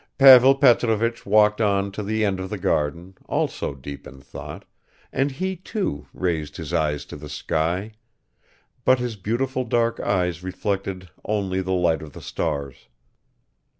Pavel Petrovich walked on to the end of the garden, also deep in thought, and he, too, raised his eyes to the sky but his beautiful dark eyes reflected only the light of the stars.